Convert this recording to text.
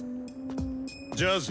ジャズ。